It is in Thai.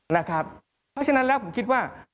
เพราะฉะนั้นแล้วผมคิดว่า